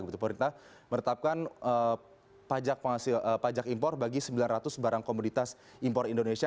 pemerintah menetapkan pajak impor bagi sembilan ratus barang komoditas impor indonesia